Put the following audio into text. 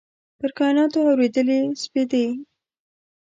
پر کایناتو اوريدلي سپیدې